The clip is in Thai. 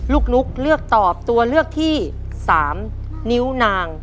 นุ๊กเลือกตอบตัวเลือกที่๓นิ้วนาง